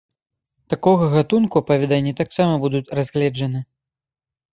Такога гатунку апавяданні таксама будуць разгледжаны.